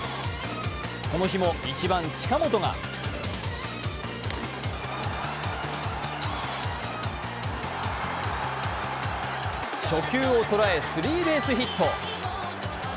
この日も、１番・近本が初球を捉え、スリーベースヒット。